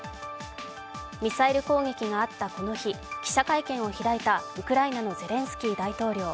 ミサイル攻撃があったこの日、記者会見を開いたウクライナのゼレンスキー大統領。